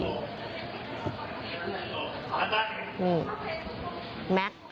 นี่แมท